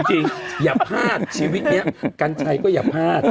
อย่าพลาดชีวิตนี้กัญชัยก็อย่าพลาด